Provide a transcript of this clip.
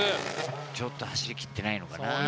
ちょっと走り切っていないのかな。